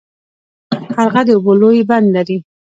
قرغه د اوبو لوی بند لري.